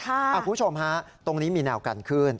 คุณผู้ชมฮะตรงนี้มีแนวกันขึ้น